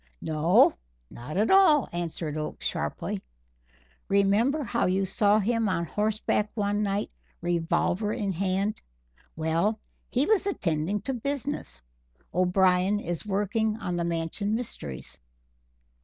"No, not at all," answered Oakes sharply. "Remember how you saw him on horseback one night, revolver in hand. Well, he was attending to business. _O'Brien is working on the Mansion mysteries.